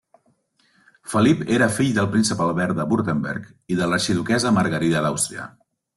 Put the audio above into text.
Felip era fill del príncep Albert de Württemberg i de l'arxiduquessa Margarida d'Àustria.